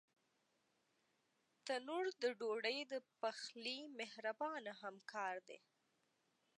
تنور د ډوډۍ د پخلي مهربان همکار دی